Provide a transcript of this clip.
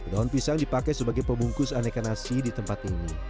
daun pisang dipakai sebagai pembungkus aneka nasi di tempat ini